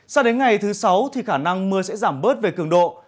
sao đến ngày thứ sáu thì khả năng mưa sẽ giảm bớt về cường độ